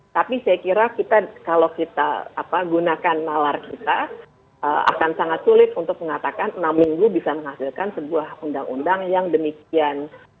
tapi saya kira kita kalau kita gunakan nalar kita akan sangat sulit untuk mengatakan enam minggu bisa menghasilkan sebuah undang undang yang demikian